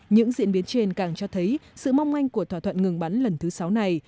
những diễn biến trên càng cho thấy sự mong manh của thỏa thuận ngừng bắn lần thứ sáu này